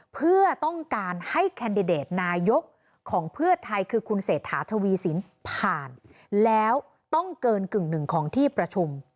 เพื่อต้องการให้แคนดิเดตนายกของเพื่อไทยคือคุณเศรษฐาทวีสินผ่านแล้วต้องเกินกึ่งหนึ่งของที่ประชุม